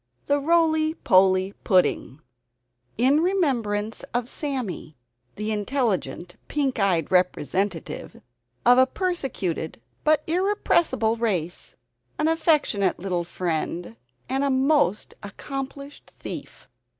THE ROLY POLY PUDDING [In Remembrance of "Sammy," the Intelligent Pink Eyed Representative of a Persecuted (But Irrepressible) Race. An Affectionate Little Friend, and Most Accomplished Thief!